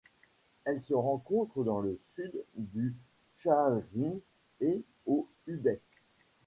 Elle se rencontre dans le sud du Shaanxi et au Hubei.